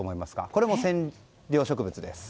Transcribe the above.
これも染料植物です。